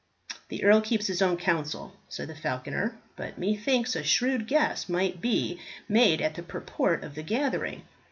"The earl keeps his own counsel," said the falconer, "but methinks a shrewd guess might be made at the purport of the gathering.